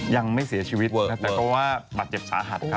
ยังไม่เสียชีวิตแต่เพราะว่าบาดเจ็บสาหัสครับ